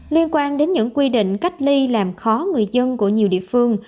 liên quan đến những quy định cách ly làm khó người dân của nhiều địa phương